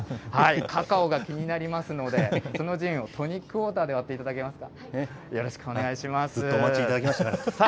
カカオが気になりますので、そのジンをトニックウォーターで割っていただけますか。